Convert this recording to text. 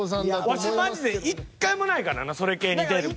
ワシマジで１回もないからなそれ系に出る。